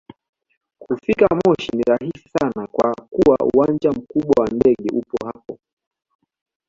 Kufika moshi ni rahisi sana kwa kuwa uwanja mkubwa wa ndege upo hapo